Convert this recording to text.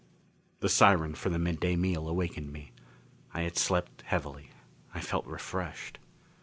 The siren for the midday meal awakened me. I had slept heavily. I felt refreshed.